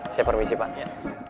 saya permisi pak